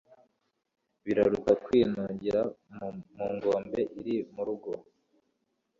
biraruta kwinugika mu ngombe iri mu rugo